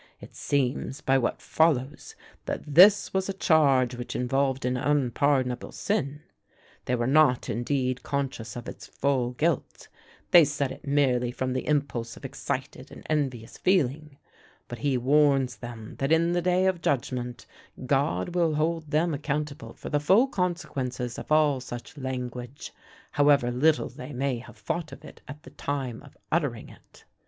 It seems, by what follows, that this was a charge which involved an unpardonable sin. They were not, indeed, conscious of its full guilt they said it merely from the impulse of excited and envious feeling but he warns them that in the day of judgment, God will hold them accountable for the full consequences of all such language, however little they may have thought of it at the time of uttering it.